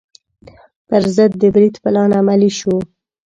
پر ضد د برید پلان عملي شو.